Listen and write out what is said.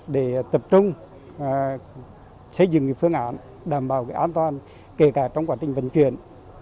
để tập trung xây dựng phương án đảm bảo an toàn kể cả trong quá trình vận chuyển